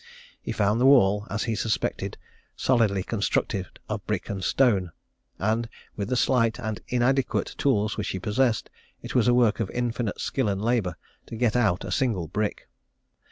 He found the wall, as he suspected, solidly constructed of brick and stone; and, with the slight and inadequate tools which he possessed, it was a work of infinite skill and labour to get out a single brick.